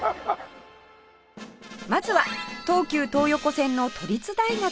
まずは東急東横線の都立大学